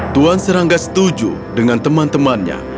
tuan serangga setuju dengan teman temannya